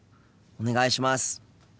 お願いします。